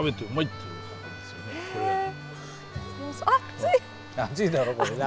熱いだろ、これな。